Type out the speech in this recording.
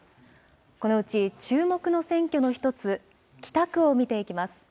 このうち注目の選挙の１つ、北区を見ていきます。